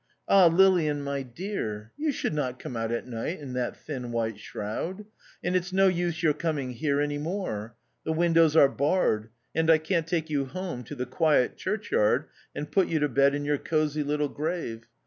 Ah ! Lilian, my dear, you should not come out at night in that thin white shroud, and it's no use your coming here any more. The windows are barred, and I can't take you home to the quiet churchyard and put you to bed in your cosy little grave.